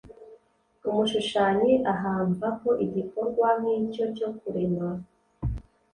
Umushukanyi ahamva ko igikorwa nk'icyo cyo kurema